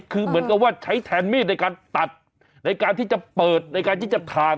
คือเหมือนกับว่าใช้แทนมีดในการตัดในการที่จะเปิดในการที่จะถ่าง